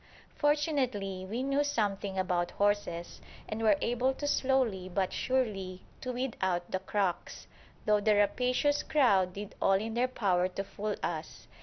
Fortunately we knew something about horses and were able slowly but surely to weed out the "crocks," though the rapacious crowd did all in their power to fool us.